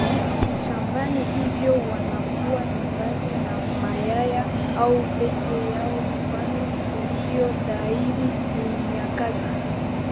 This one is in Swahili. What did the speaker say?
shambani hivyo wanakuwa nyumbani na mayaya au peke yao Mfano ulio dhahiri ni nyakati